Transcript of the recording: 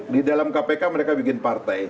di dalam kpk mereka bikin partai